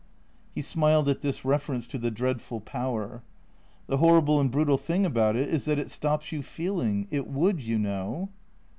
He smiled at this reference to the dreadful Power. " The horrible and brutal thing about it is that it stops you feeling. It would, you know."